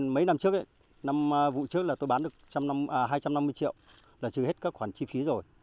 mấy năm trước năm vụ trước là tôi bán được hai trăm năm mươi triệu là trừ hết các khoản chi phí rồi